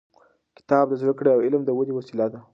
کتاب د زده کړې او علم د ودې وسیله ده.